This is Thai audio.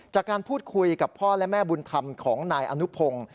จากการพูดคุยกับพ่อและแม่บุญธรรมของนายอนุพงศ์